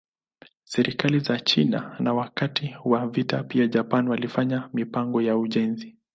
Serikali za China na wakati wa vita pia Japan walifanya mipango ya ujenzi.